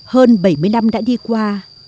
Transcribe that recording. hơn bảy mươi năm đã đi qua